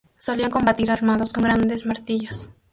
Solían combatir armados con grandes martillos.